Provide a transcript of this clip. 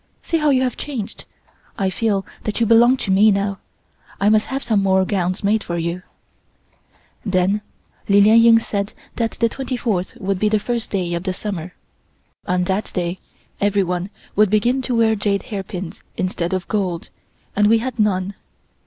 "See how you have changed. I feel that you belong to me now. I must have some more gowns made for you." Then Li Lien Ying said that the twenty fourth would be the first day of the Summer. On that day everyone would begin to wear jade hairpins instead of gold, and we had none.